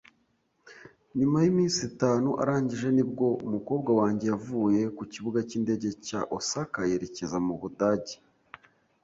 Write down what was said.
Nyuma yiminsi itanu arangije nibwo umukobwa wanjye yavuye ku kibuga cyindege cya Osaka yerekeza mu Budage.